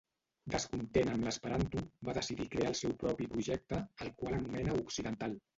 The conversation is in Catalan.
Descontent amb l'esperanto, va decidir crear el seu propi projecte, al qual anomena occidental.